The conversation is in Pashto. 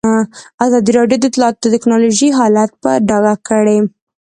ازادي راډیو د اطلاعاتی تکنالوژي حالت په ډاګه کړی.